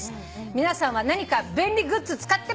「皆さんは何か便利グッズ使ってますか？」